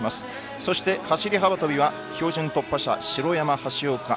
そして走り幅跳びは標準突破者、城山、橋岡。